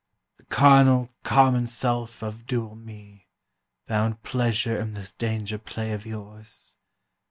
The carnal, common self of dual me Found pleasure in this danger play of yours.